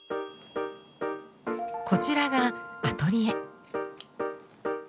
こちらがアトリエ。